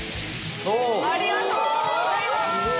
ありがとうございます！